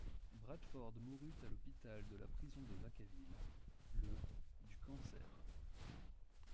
Bradford mourut à l'hôpital de la prison de Vacaville le du cancer.